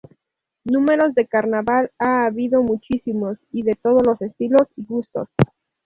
Números de Carnaval ha habido muchísimos y de todos los estilos y gustos.